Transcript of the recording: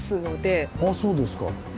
そうですか。